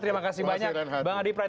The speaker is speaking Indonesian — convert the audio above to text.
terima kasih banyak bang adi praet